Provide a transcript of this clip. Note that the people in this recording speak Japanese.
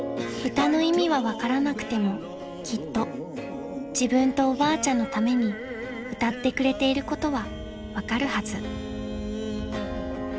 ［歌の意味は分からなくてもきっと自分とおばあちゃんのために歌ってくれていることは分かるはず］